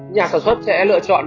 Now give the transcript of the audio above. nhà sản xuất sẽ lựa chọn